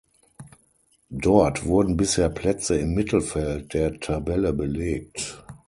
Dort wurden bisher Plätze im Mittelfeld der Tabelle belegt.